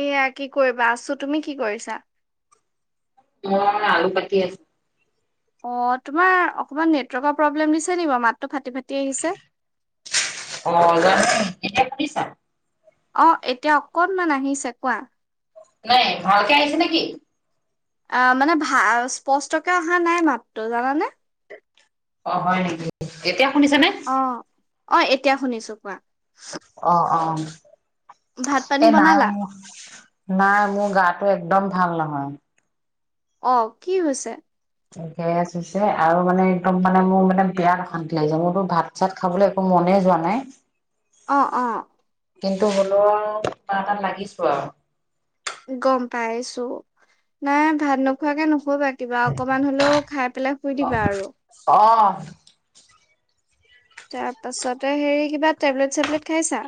এয়া কি কৰিবা আছোঁ, তুমি কি কৰিছা? মই আলু কাতি আছোঁ অ', তোমাৰ অকমান নেটৱৰ্কৰ প্ৰব্লেম দিছে নেকি বাৰু মাত অ', জানো [unintelligible] শুনিছা? অ, এতিয়া অকনমান আহিছে, কোৱা। নাই, ভালকে আহিছে নে কি? ই, মানে ভা স্পষ্টকে অহা নাই মাতটো জানানে? অ' হয় নেকি, এতিয়া? শুনিছা নে? অ অ, এতিয়া শুনিছো কোৱা। অ, অ ভাত পানী [inaudible] এ নাই বনালা মোৰ নাই মোৰ গাত একদম ভাল নহয়। অ' কি হৈছে? গেছ হৈছে, আৰু মানে একদম মানে মোৰ মানে বিয়াত অশান্তি লাগিছে মোৰতো ভাত চাত খাবলৈ একো মনে যোৱা নাই। অ' অ' কিন্তু হ'লও কিবাৰ এটাত লাগিছো আৰু। গ'ম পাইছো। নাই ভাত নোখোৱাকে নুশুবা কিবা অকমান হলেও খাই পেলাই শুই দিবা আৰু অ অ তাৰ পাছতে হেৰি কিবা টেবলেট চেবলেট খাইছা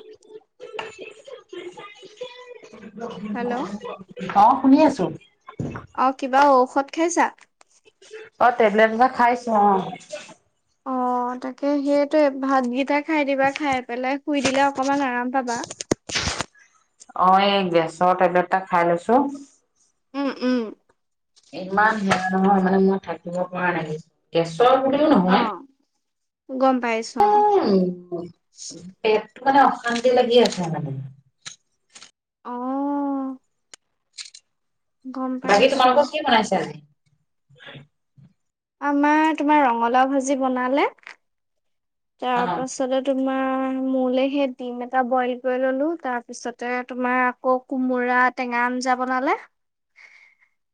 হেল্ল' [unintelligible] অ শুনি আছো অ কিবা ঔষধ খাইছা অ টেবলেট এটা খাইছো অ অ তাকে সেইটোৱে ভাতকেইটাক খাই দিবা খাই পেলাই শুই দিলে অকমান আৰাম পাবা ৰ' টেবলেট এটা খাই লৈছো। উম উম। ইমান হেয়া নহয় মানে মই থাকিব পৰা নাই চোও অ নহয় [inaudible] গম পাইছো উ [inaudible] কিবা এটা অশান্তি লাগি আছে মানে। অঁ। বাকী তোমালোকৰ কি বনাইছে আজি? হয়। আমাৰ তোমাৰ ৰঙালাও ভাজি বনালে। অ তাৰ পাছত ত তোমাৰ মোলে সেই ডিম এটা বইল কৰি ললো, তাৰপিছতে তোমাৰ আকৌ কোমোৰা টেঙা আঞ্জা বনালে।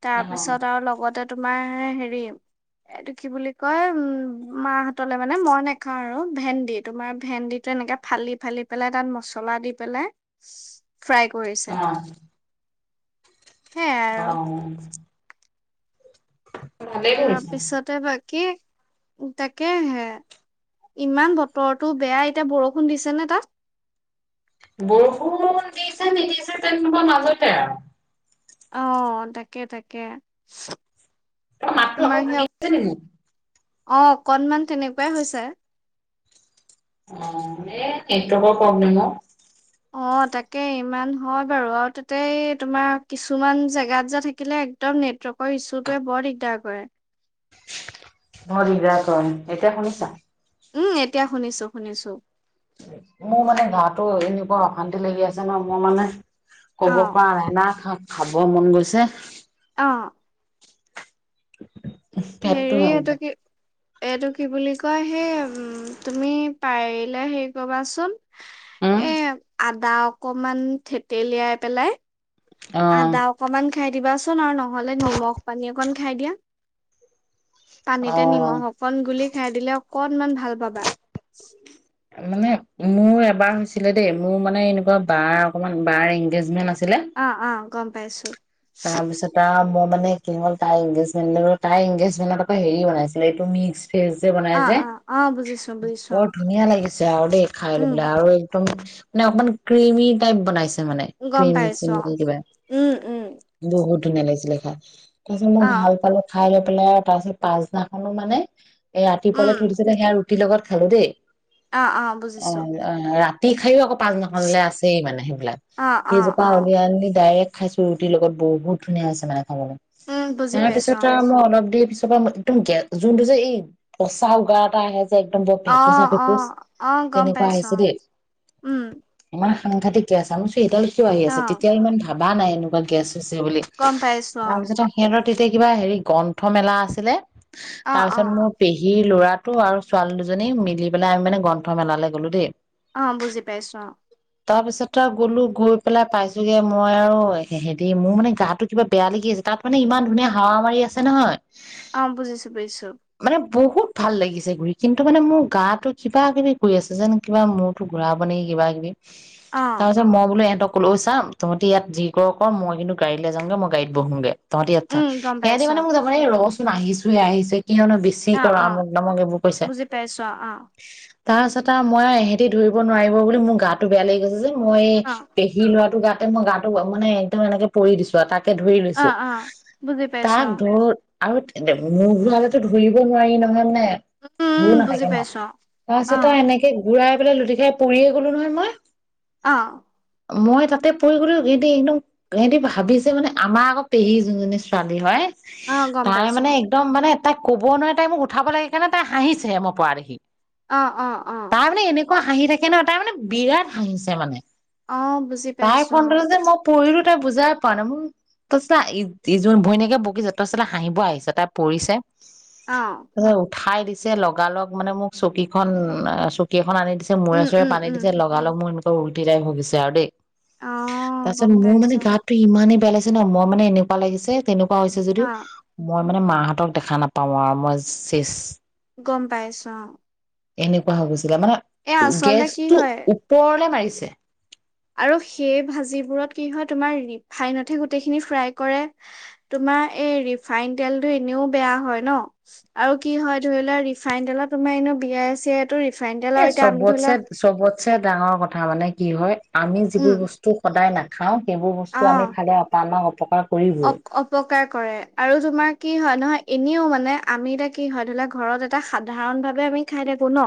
তাৰ অ পিছত আৰু লগতে তোমাৰ হেৰি এইটো কি বুলি কয় উম মাহতলে মানে মই ন নাখাও আৰু ভেন্দি তোমাৰ ভেন্দিটো এনেকে ফালি - ফালি পেলাই তাত মছলা দি পেলাই ফ্ৰাই কৰিছে। অ সেয়াই অ। আৰু ভালেই কৰিছা তাপিছতে বাক কি তাকে হে ইমান বতৰতো বেয়া এতিয়া বৰষুণ দিছে নে তাত? বৰষুণ দিছে নিদিছে তেনেকৰ মাজতে আৰ। অহ তাকে তাকে। মাত আকৌ তোমাৰ সেই [unintelligible] অ অকনমান তেনেকুৱাই হৈছে। অ এ নেটৱৰ্কৰ প্ৰব্লেম অ। অ তাকে ইমান হয় বাৰু আৰু তাতে তোমাৰ কিছুমান জেগাত যে থাকিলে একদম নেটৱৰ্কৰ ইচছ্যুটোৱে বৰ দিগদাৰ কৰে। ভৰ দিগদাৰ কয়, এতিয়া শুনিছা? উম' এতিয়া শুনিছো-শুনিছো। মোৰ মানে গাটো এনেকুৱা অশান্তি লাগি আছে ন। মই মানে ক'ব অ পৰা নাই, না খাব খাব মন গৈছে। অ। পেটটো হেৰি এইটো কি এইটো কি বুলি কয়, সেইম তুমি পাৰিলে হেৰি কৰবাচোন, উম এ আদা অকমান থেতেলিয়াই পেলাই। আদা অকমান। খাই দিবাচোন আৰু নহ'লে নিমখ পানী অকণ খাই দিয়া। পানীতে অহ নিমখ অকণ গুলি খাই দিলে, অকণমান ভাল পাবা। মানে মোৰ এবাৰ হৈছিলে দেই, মোৰ মানে, এনেকুৱা বাৰ, অকমান বাৰ এনগেজমেন্ট আছিল। অ-অ। গম, পাইছো। তাৰপিছত আৰু মানে কি হ'ল, তাই এনগেজমেন তাই এনগেজমেনটো হেৰি বনাইছিলে, এইটো মিশ ফেজ, যে বনাই অ যে, অ অ বুজিছো বুজিছো অ বৰ ধুনীয়া লাগিছে। যাওদে খাই লৈ, উম বোলে আৰু একদম মানে অকমান, ক্ৰিমি টাইপ বনাইছে। মানে গম ক্ৰিম-চিম পাইছো অ দি কিবা। উম উম বহুত ধুনীয়া, লাগিছিলে খাই। তাৰপিছত মই অ ভাল পালো। খাই লৈ, পেলাই আৰু তাৰ পিছত, পাছদিনাখনো মানে সেই ৰাতিপোৱালে উম থৈ দিছিলে, সেয়া ৰুটিৰ লগত খালো দে। অ অ বুজিছো অ-অ, ৰা তি খাই ও পাছদিনা খনলে আছেই মানে, সেইবিলাক অ অ ফ্ৰিজোৰ অ পৰা উলিয়াআনি ডাইৰেক্ট খাইছো ৰুটিৰ লগত। বহুত ধুনীয়া, আছে মানে। উম বুজি তাৰ পাইছো পিছত, অ মই অলপ দেৰি পিছত একদমে যোনটো, যে এই পচা উগাৰ এটা আহে যে। একদম বৰ ভেকুচা অহ, ভেকুচ অ-অ', গম তেনেকুৱা আহিছে পাইছোঁ অ', দেই। উম। ইমান সাংঘাতিক গেছ আ, মই কৈছোঁ এইডাল কিয় আহি আছে, অ', তেতিয়া ইমান ভাব ভাবা নাই এনেকুৱা গেছ হে বুলি, গম পাইছো অ', তাৰপিছত আ সিহঁতৰ তেতিয়া কিবা হেৰি গ্ৰন্থ মেলা আছিলে। অ', তাৰপিছত অ', মোৰ পেহীৰ ল'ৰা টো আৰু ছোৱালী দুজনী মিলি পেলাই আমি মানে গ্ৰন্থমেলালৈ গ'লো দেই। অ', বুজি পাইছোঁ, অ'। তাৰ পিছত আৰু গ'লো গৈ পেলাই পাইছোগে, মই আৰু দেই, মোৰ মানে গাটো কিবা বেয়া লাগি আছে তাত মানে ইমান ধুনীয়া হাৱা মাৰি আছে নহয়। অ', বুজিছোঁ, বুজিছোঁ। মানে বহুত ভাল লাগিছে ঘূৰি, কিন্তু মানে মোৰ গাতো কিবা-কিবি কৰি আছে যেন কিবা মূৰতো ঘূৰাব নিকি, কিবা-কিবি তাৰ অ', পিছত মই বোলো এহঁতক লৈ চাম, তহঁতি ইয়াত যি কৰ অ, মই কিন্তু গাড়ীলে যাওঁঙগে, মই গাড়ীত বহোঙগে। তহঁতি ইয়াত থাক, উম, গম সিহঁতি পাইছো মানে মোক যাব নিদি, এহ ৰহ চো আহিছোহে, আহিছে। কিয়নো বেছি অ', কৰা অ', অমুক-তমুক এইবোৰ কৈছে। বুজি পাইছো অ', তাৰপাছত আৰু মই আৰু ইহঁতি ধৰিব নোৱাৰিব বুলি মোৰ গাটো বেয়া লাগি গৈছে যে। মই এই অ', পেহী ল'ৰাটোৰ গাত ত মই গাটো মানে তে মই এনেকে পৰি দিছো আ, তাক তে ধৰি লৈছো, অ', অ', বুজি পাইছো তাক ধ আৰু মূৰ ঘূৰালেতো ধৰিব নোৱাৰি নহয় মানে উম, উম, ভুৰ বুজি নাথাকে ন, পাইছো তাৰপিছত অ', আৰু এনেকে ঘূৰাই লে লুটি খাই পৰিয়ে গ'লো নহয় মই। অ'। মই তাতে পৰি গ'লো, সিহঁতে একদম সেহঁতি ভাবিছে মানে আমাৰ আকৌ পেহী যোনজনী ছোৱালী হয় অ', গম তাই পাইছো মানে একদম মানে তাই ক'বও নোৱাৰে তাই মোক উঠাব লাগে কাৰণে তাই হাঁহিছে মই পৰা দেখি। অ', অ', অ'। কোৱা হাঁহি থাকে ন, তাই মানে বিৰাট হাঁহিছে মানে। অ', বুজি তাইৰ পাইছো ফ্ৰণ্টতে যে মই পৰিলো তই বুজাই পোৱা নাই মোৰ, তাপিছত হা ইজ ভৈনীয়েকে বকিছে তই চালা হাঁহিব আহিছ', তাই পৰিছে। অ', ত উঠাই দি ছে লগালগ মানে মোক চকীখন অ চকী খন আনি দিছে মূৰে উম, চোৰে উম, পানী উম, দিছে লগালগ মোৰ [unintelligible] অ গম তাৰপিছত মোৰ মানে পাইছো গাটো ইমানেই বেয়া লাগিছে ন মই মানে এনেকুৱা লাগিছে তেনেকুৱা হৈছে যদিও অ', মই মানে মাহঁতক দেখা নাপাওঁ আৰু মই চেছ গম পাই আছো অ এনেকুৱা হৈ গ মানে গেছ কি টো হয় ওপৰলে মাৰি ছে আৰু সেই ভাজিবোৰত কি হয় তোমাৰ ৰিফাইনতহে গোটেইখিনি ফ্ৰাই কৰে তোমাৰ এই ৰিফাইন তেলটো এনেও বেয়া হয় ন আৰু কি হয় ধৰি লোৱা ৰিফাইন তেলত তোমাৰ এনে বিয়াই চিয়াই এ চবতছে চবত ছে ডাঙৰ কথা মানে কি হয় আমি যিবোৰ উম বস্তু সদায় না খাওঁ সেইবোৰ বস্তু আমি খালে আমাৰ থকা অক অপকাৰ কৰে আৰু তোমাৰ কি হয় নহয় এনেও মানে আমি এতিয়া কি হয় ধৰি লোৱা ঘৰত এটা সাধাৰণ ভাৱে আমি খাই থাকো ন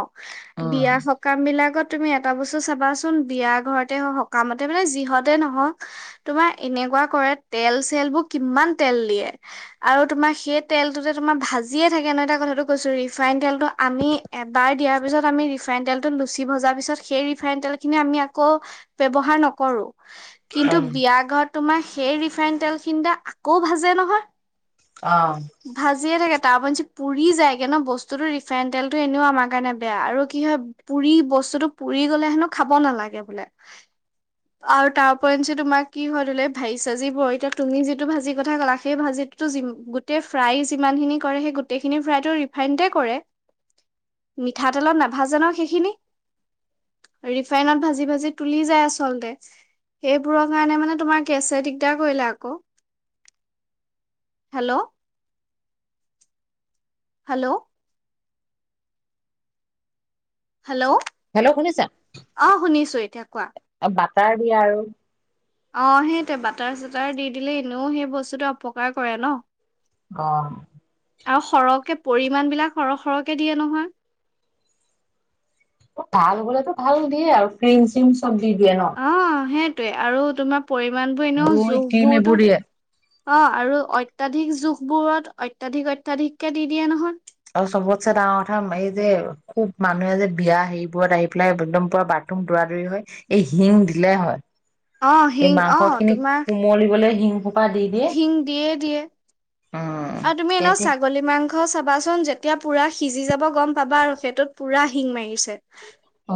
উম, বিয়া সকাম বিলাকত তুমি এটা বস্তু চাবা চোন বিয়া ঘৰতে হ সকামতে মানে যিহতে নহক তোমাৰ এনেকুৱা কৰে তে তেলবোৰ কিমান তেল দিয়ে আৰু তোমাৰ সেই তেলটোতে তোমাৰ ভাজিয়ে থাকে ন এটা কথাটো কৈছো ৰিফাইন তেলটো আমি এবাৰ দিয়াৰ পিছত আমি ৰিফাইন তেলটো লুচি ভজাৰ পিছত সেই ৰিফাইন তেল খিনি আমি আকৌ ব্যৱহাৰ নকৰো কিন্তু বিয়া ঘত তোমাৰ সেই ৰিফাইন তেল খিনতে আকৌ ভাজে নহয় অ', ভাজিয়ে থাকে তাৰপি পুৰি যায়গে ন বস্তুতো ৰিফাইন তেলতটো এনেও আমাৰ কাৰণে বেয়া আৰু কি হয় পুৰি বস্তুটো পুৰি গলে হেনো খাব নালাগে বোলে আৰু তাৰ ওপৰঞ্চি তোমাৰ কি হয় ধই লোৱা ভাঁজি চাজিবোৰ এতিয়া তুমি যিটো ভাজিৰ কথা ক'লা সেই ভাজিটোতো গোটেই ফ্ৰাই যিমানখিনি কৰে সেই গোটেইখিনি ফ্ৰাইটো ৰিফাইনতে কৰে মিঠাতেলত নাভাজে নহয় সেইখিনি ৰিফাইনত ভাজি ভাজি তুলি যায় আচলতে সেইবোৰৰ কাৰণে মানে তোমাৰ গেছে দিগদাৰ কৰিলে হেল্ল' হেল্ল' হেল্ল' হেল্ল' শুনিছা? অ শুনিছো এতিয়া কোৱা [unintelligible] অ সেইটোয়ে বাটাৰ চাটাৰ দি দিলে এনেও সেই বস্তুটো অপকাৰ কৰে ন অ আৰু সৰহকে পৰিমাণ বিলাক সৰহ সৰহকে দিয়ে নহয় ভাল হবলেতো ভাল দিয়ে আৰু ফ্ৰীম চিম অ দিয়ে ন তয়ে আৰু তোমাৰ পৰিমণ বোৰ এনেও দৈ ক্ৰীম জোখবোৰতো এইবোৰ দিয়ে অ আৰু অত্যাধিক জোখ বোৰত অত্যাধিক অত্যাধিককে দি দিয়ে নহয়। আৰু চবতছে ডাঙৰ কথা এই যে খুব মানুহে যে বিয়া হেৰিবোৰত আহি পেলাই একদম পুৰা বাথৰুম দৌৰা দৌৰি হয় এই শিং দিলে হয়। অ এই হিং মাংস অ খিনি তোমাৰ কোমলিবলৈ শিং সোপা দি দিয়ে শিং দিয়ে দিয়ে উম, আৰু তুমি এনে তেতিয়া ছাগলী মাংস চাবাচ যেতিয়া পুৰা সিজি যাব গম পাবা আৰু সেইটতো- পুৰা শিং মাৰিছে। অ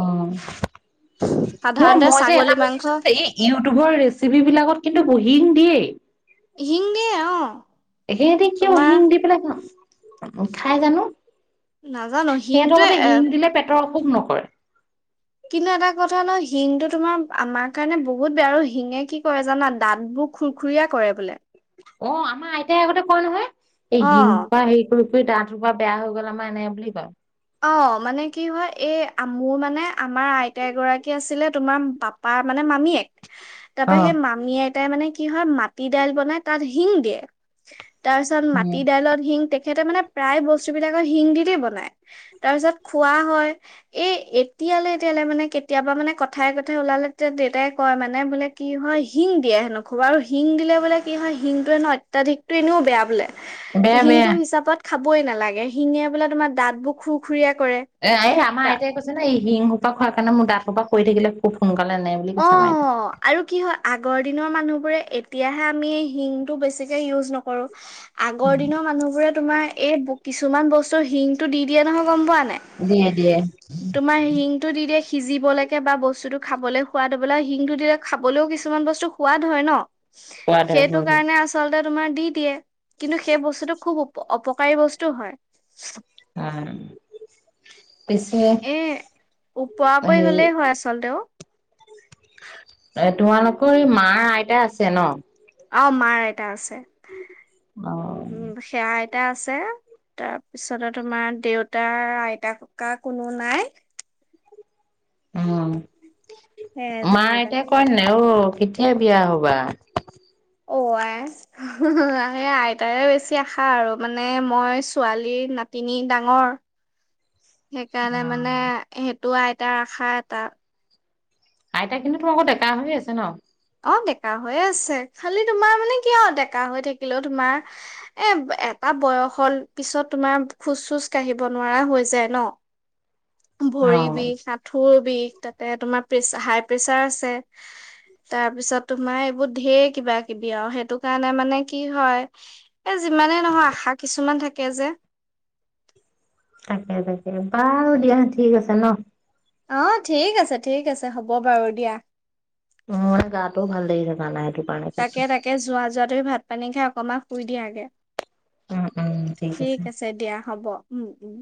ন সাধাৰণতে মই যে এটা ছাগলী বস্তু মাংস চাইছো যে এই ইউটিউবৰ ৰেচিপি বিলাকত কিন্তু হিং দিয়েই। [unintelligible] হিং দিয়ে উঅ। এ সেতি কিয় শিং দি পেলাই খাই জানো? নাজানো সিহঁতৰ হিংটোৱে মতে এ শিং দিলে পেটৰ অসু সুহ নকৰে। কিন্তু এটা কথা ন শিংটো তোমাৰ আমাৰ কাৰণে বহুত বেয়া আৰু শিঙে কি কৰে জানা দাঁতবোৰ খুৰখুৰীয়া কৰে বোলে। অ আমাৰ আইতাই আগতে কোয় নহয়। এই অ শিং পা সেই তু তাহকৰ পৰা বেয়া হৈ গল আমাৰ এনে বুলি কিয় কয়। অ মানে কি হয় এই মোৰ মানে আমাৰ আইতা এগৰাকী আছিলে তোমাৰ পাপা মানে মানে মামীয়েক তাৰ অ পৰা সেই মামীয়ে তাই মানে কি হয় মাটি দাইল বনাই তাত শিং দিয়ে তাৰ পিছত উম মাটি দাইলত শিং তেখেতে মানে প্ৰায় বস্তুবিলাকৰ শিং দিলে বনায়। তাৰ পিছত খোৱা হয়। এ এতিয়ালৈ এতিয়ালৈ মানে কেতিয়াবা মানে কথাই কথাই ওলালে তেতিয়া দেউতাই কয় মানে বোলে কি হয় শিং দিয়ে হেনো খবা আৰু শিং দিলে বোলে কি হয় শিংটোোৱয়ে নহয় অত্যাধিকতটো এনেও বেয়া বোলে। বেয়া শিংটো বেয়া হিচাপত খাবই নালাগে শিঙিয়ে বোলে তোমাৰ দাঁত বুক খুখুৰীয়া এ এই আমাৰ আইতাই কৈছে ন এই শিং হোপা খোৱাৰ কাৰণ মোৰ দাঁতোপা কৰি থাকিলে খু শুন অ আৰু কি হয় আগৰ দিনৰ মানুহৰ বোৰে এতিয়াহে আমি শিংটো বেছিকে ইউজ নকৰো। আগৰ দিনৰ মানুহবোৰে তোমাৰ এই কিছুমান বস্তু হিনটো দি দিয়ে নহয় গম পোৱা না দিয়ে দিয়ে। হিংটো দি দিয়ে সিজিবলৈকে বা বস্তুটো খাবলৈ খোৱাত বোলে হিনটো দিলে খাবলৈও কিছুমান বস্তু সোৱাদ হয় ন। সোৱাদ হয় সেইটো সোৱাদ হয় কাৰণে আচলতে তোমাৰ দি দিয়ে কিন্তু সেই বস্তুটো বহুত খুব অপকাৰী বস্তু হয়। অঁ। এ উপৰা পৰি হলেই হয় আচলতে ও এ তোমালোকৰ এই মা আইতা আছে ন অ মাৰ আইতা আছে অ সেয়াই আইতা আছে তাৰপিছতে তোমাৰ দেউতাৰ আইতা ককা কোনো নাই। উম। সেয়াই মাৰ যেনিবা। আইতাই কয় নাই অ' কেতিয়া বিয়া হ'বা? অ' আই! আইতাৰে বেছি আশা আৰু মানে মই ছোৱালীৰ নাতিনী ডাঙৰ। সেইকাৰণে মানে অ'। সেই টো আইতাৰ আশা এটা। আইতা কিন্তু তোমালোকৰ ডেকা হৈয়ে আছে ন। অ' ডেকা হৈয়ে আছে, খালি তোমাৰ মানে কি আৰু ডেকা হৈ থাকিলেও তোমাৰ এ এটা বয়সৰ পিছত তোমাৰ খোজ-চোজ কাঢ়িব নোৱাৰা হৈ যায় ন। ভৰি অ' বিষ, আাঁঠুৰ বিষ, তাতে তোমাৰ প্ৰেচা হাই-প্ৰেচাৰ আছে। তাৰ পিছত তোমাৰ এইবোৰ ধেই কিবা-কিবি, আৰু সেইটো কাৰণে মানে কি হয় এই যিমানেই নহয় আশা কিছুমান থাকে যে। তাকে তাকে, বাৰু দিয়া ঠিক আছে ন। অ' ঠিক আছে, ঠিক আছে হ'ব বাৰু দিয়া। মোৰ গাটোও ভাল লাগিছে জানাই [unintelligible] তাকে তাকে, যোৱা যোৱা। তুমি ভাত পানী খাই অকমান শুই দিয়া গে। ঠিক আছে দিয়া হ'ব। উম! উম।